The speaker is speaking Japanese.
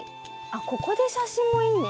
ここで写真もいいね。